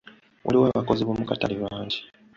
Waliwo abakozi b'omukatale bangi.